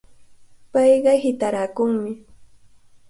Payqa hitaraakunmi.